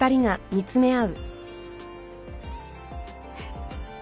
フッ。